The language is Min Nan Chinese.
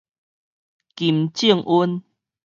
金正恩